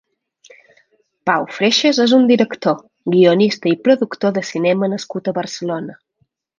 Pau Freixas és un director, guionista i productor de cinema nascut a Barcelona.